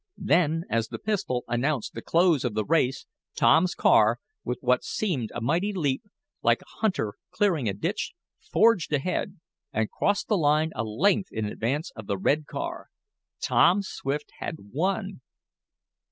Then, as the pistol announced the close of the race, Tom's car, with what seemed a mighty leap, like a hunter clearing a ditch, forged ahead, and crossed the line a length in advance of the red car. Tom Swift had Won.